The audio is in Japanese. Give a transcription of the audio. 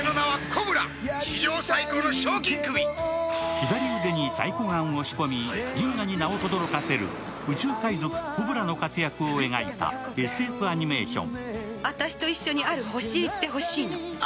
左腕にサイコガンを仕込み、銀河に名をとどろかせる宇宙海賊コブラの活躍を描いたＳＦアニメーション。